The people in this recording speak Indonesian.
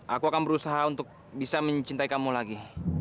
aku akan berusaha untuk bisa mencintai kamu lagi